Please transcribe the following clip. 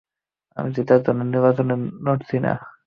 আমি জেতার জন্য নির্বাচন লড়ছি না।